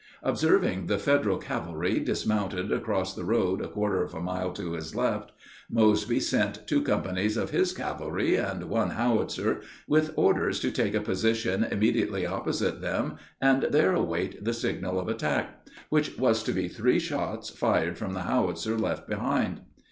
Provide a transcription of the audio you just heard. Observing the Federal cavalry dismounted across the road a quarter of a mile to his left, Mosby sent two companies of his cavalry and one howitzer, with orders to take a position immediately opposite them and there await the signal of attack, which was to be three shots fired from the howitzer left behind.